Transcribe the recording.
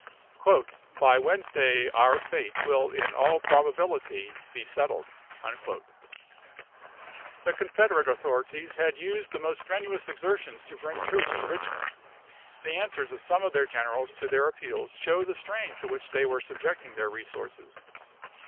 " By Wednesday our fate will in all probability be settled." The Confederate authorities had used the most strenuous exertions to bring troops to Rich mond. The answers of some of their generals to their appeals show the strain to which they were subjecting their resources.